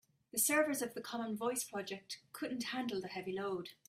The servers of the common voice project couldn't handle the heavy load.